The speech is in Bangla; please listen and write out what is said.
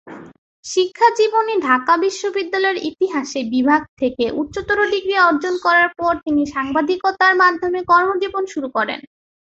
শিক্ষাজীবনে ঢাকা বিশ্ববিদ্যালয়ের ইতিহাসে বিভাগ থেকে উচ্চতর ডিগ্রি অর্জন করার পর তিনি সাংবাদিকতার মাধ্যমে কর্মজীবন শুরু করেন।